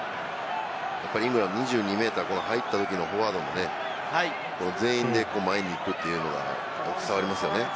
イングランド、２２ｍ入ったときのフォワードがね、全員で前に行くっていうのがね、伝わりますよね。